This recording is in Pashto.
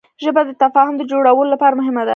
ژبه د تفاهم د جوړولو لپاره مهمه ده